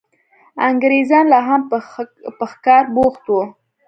انګرېزان لا هم په ښکار بوخت وو.